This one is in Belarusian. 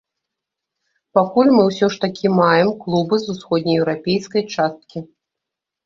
Пакуль мы ўсё ж такі маем клубы з усходнееўрапейскай часткі.